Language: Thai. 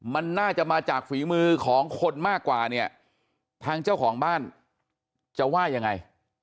มันน่าจะมาจากฝีมือของคนมากกว่าเนี่ยทางเจ้าของบ้านจะว่ายังไง